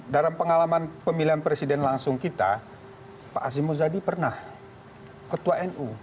dalam pengalaman pemilihan presiden langsung kita pak azim muzadi pernah ketua nu